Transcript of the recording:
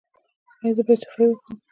ایا زه باید صفايي وکړم؟